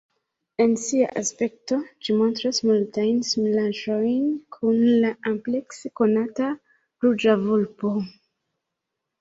En sia aspekto ĝi montras multajn similaĵojn kun la amplekse konata Ruĝa vulpo.